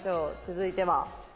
続いては。